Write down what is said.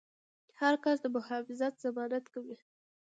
د هر کس د محافظت ضمانت کوي.